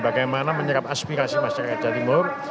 bagaimana menyerap aspirasi masyarakat jawa timur